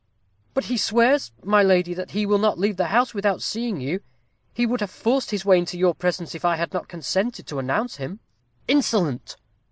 "But he swears, my lady, that he will not leave the house without seeing you he would have forced his way into your presence, if I had not consented to announce him." "Insolent!"